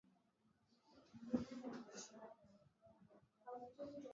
ilizindua matangazo ya moja kwa moja kutoka studio zake mjini Washington